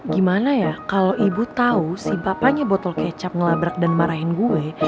gimana ya kalo ibu tau si papanya botol kecap ngelabrak dan marahin gue